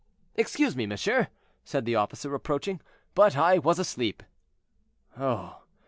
"Excuse me, monsieur," said the officer, approaching, "but I was asleep." "Oh!